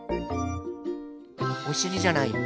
おしりじゃないよ。